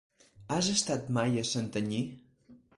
Has estat mai a Santanyí?